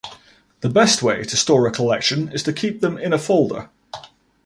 The best way to store a collection is to keep them in a folder.